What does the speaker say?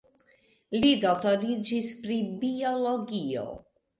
Li doktoriĝis pri biologio.